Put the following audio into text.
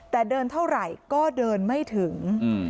แต่เดินเท่าไหร่ก็เดินไม่ถึง